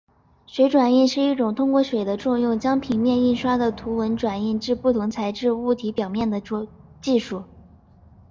水转印是一种通过水的作用将平面印刷的图文转印至不同材质物体表面的技术。